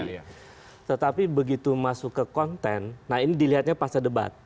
jadi ketika itu masuk ke konten nah ini dilihatnya pas ada debat